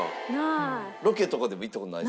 ロケとかでも行った事ない？